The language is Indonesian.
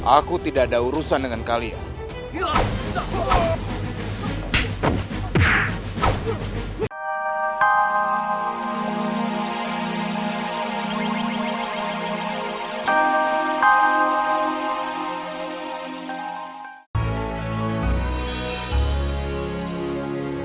aku tidak ada urusan dengan kalian